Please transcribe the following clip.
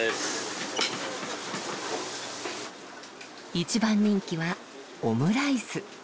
一番人気はオムライス。